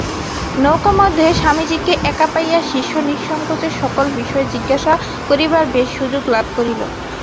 নৌকামধ্যে স্বামীজীকে একা পাইয়া শিষ্য নিঃসঙ্কোচে সকল বিষয়ে জিজ্ঞাসা করিবার বেশ সুযোগ লাভ করিল।